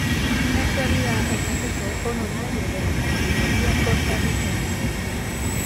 En la actualidad es asesor honorario de la Cancillería costarricense.